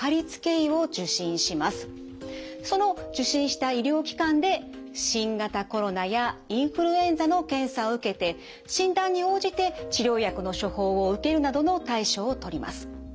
その受診した医療機関で新型コロナやインフルエンザの検査を受けて診断に応じて治療薬の処方を受けるなどの対処をとります。